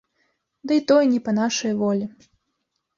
Дый тое не па нашай волі.